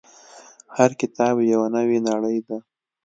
• هر کتاب یو نوی نړۍ ده.